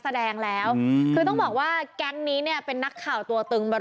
แสดงแล้วคือต้องบอกว่าแก๊งนี้เนี่ยเป็นนักข่าวตัวตึง